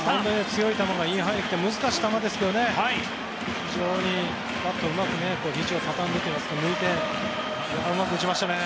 強い球がインハイに来て難しい球ですけど非常にバットをうまくひじをたたんで、抜いてうまく打ちましたね。